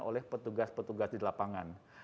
oleh petugas petugas di lapangan